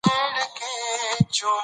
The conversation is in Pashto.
كتاب مې د ليلا او د مـجنون ورته تمام كړ.